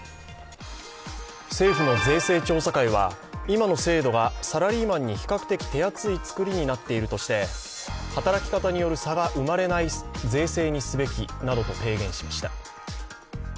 政府の税制調査会は今の制度がサラリーマンに比較的手厚いつくりになっているとして働き方による差が生まれない税制にすべきなどと提言しました。